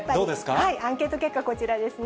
アンケート結果、こちらですね。